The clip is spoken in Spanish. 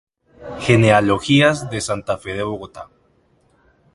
Genealogías de Santa Fe de Bogotá.